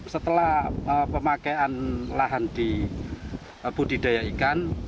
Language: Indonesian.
setelah pemakaian lahan di budidaya ikan